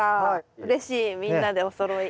うれしいみんなでおそろい。